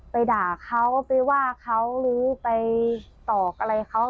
ไปด่าเขาไปว่าเขารู้ไปตอกอะไรเขา